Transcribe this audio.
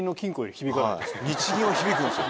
日銀は響くんですよ。